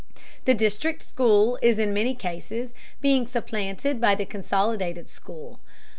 The district school is in many cases being supplanted by the consolidated school.